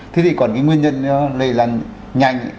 thế thì còn nguyên nhân nó lây lan nhanh